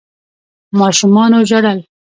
ماشومانو ژړل.